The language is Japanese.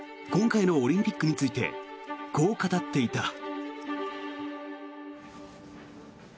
今回のオリンピックについてこう語っていた。